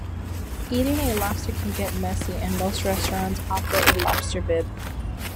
Eating a lobster can get messy, and most restaurants offer a lobster bib.